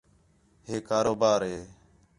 ہِے کاروبار ہِے